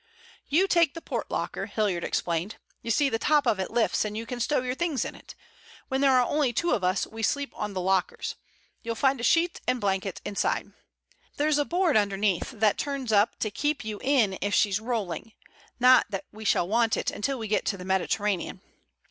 "You take the port locker," Hilliard explained. "You see, the top of it lifts and you can stow your things in it. When there are only two of us we sleep on the lockers. You'll find a sheet and blankets inside. There's a board underneath that turns up to keep you in if she's rolling; not that we shall want it until we get to the Mediterranean.